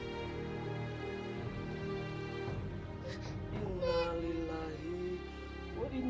tinggi tengah tengah sakit